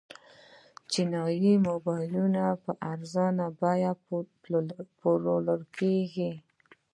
چینايي موبایلونه په ارزانه بیه پلورل کیږي.